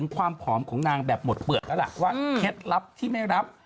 ความผอมของนางแบบหมดเปลือกแล้วล่ะว่าเคล็ดลับที่ไม่รับ